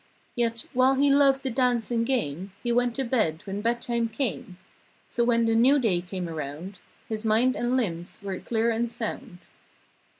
Yet, while he loved the dance and game He went to bed when bed time came So when the new day came around His mind and limbs were clear and sound.